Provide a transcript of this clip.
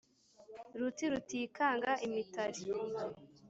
Ruti rutikanga imitari